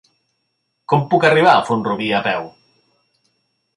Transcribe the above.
Com puc arribar a Font-rubí a peu?